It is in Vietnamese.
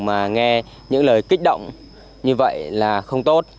mà nghe những lời kích động như vậy là không tốt